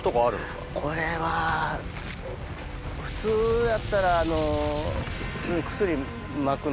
これは普通やったらあの。